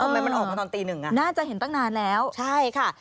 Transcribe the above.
ทำไมมันออกมาตอนตีหนึ่งอ่ะน่าจะเห็นตั้งนานแล้วใช่ค่ะ